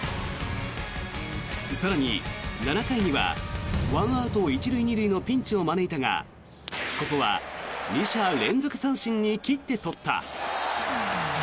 更に、７回には１アウト１塁２塁のピンチを招いたがここは２者連続三振に切って取った。